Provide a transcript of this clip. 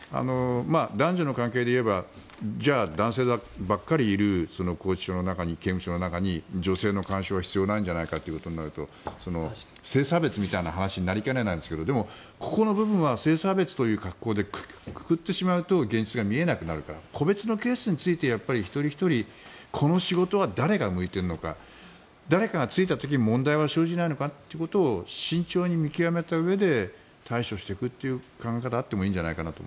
男女の関係でいえばじゃあ、男性ばかりいる拘置所の中に、刑務所の中に女性の刑務官は必要ないんじゃないかということになると性差別みたいな話になりかねないんですがでも、ここの部分は性差別という格好でくくってしまうと現実が見えなくなるから個別のケースについて一人ひとりこの仕事は誰が向いているのか誰かが就いた時に問題が生じないのかということを慎重に見極めたうえで対処していく考え方があってもいいじゃないかなと。